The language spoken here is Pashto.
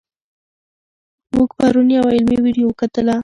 موږ پرون یوه علمي ویډیو وکتله.